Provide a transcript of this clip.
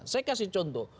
saya kasih contoh